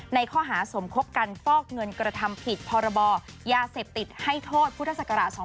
ในข้อหาสมคบกันฟอกเงินกระทำผิดพรยเสพติดให้โทษพศ๒๕๒๒